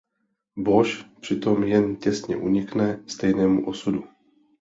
Bosch při tom jen těsně unikne stejnému osudu.